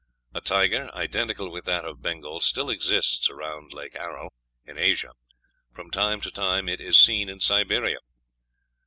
A tiger, identical with that of Bengal, still exists around Lake Aral, in Asia; from time to time it is seen in Siberia.